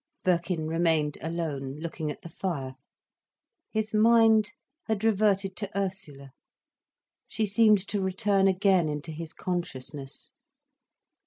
Birkin remained alone, looking at the fire. His mind had reverted to Ursula. She seemed to return again into his consciousness.